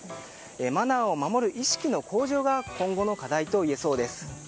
マナーを守る意識の向上が今後の課題といえそうです。